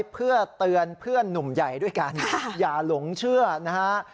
เพื่อเตือนเพื่อนหนุ่มใหญ่ด้วยกันอย่าหลงเชื่อนะฮะ